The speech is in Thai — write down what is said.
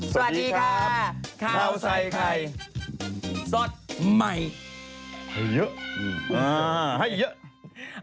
สวัสดีครับข้าวใส่ไข่สดใหม่